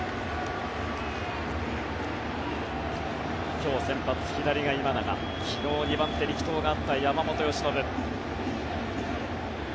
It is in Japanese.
今日先発、左が今永昨日、２番手、力投があった山本由伸。